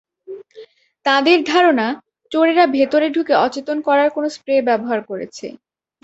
তাঁদের ধারণা, চোরেরা ভেতরে ঢুকে অচেতন করার কোনো স্প্রে ব্যবহার করেছে।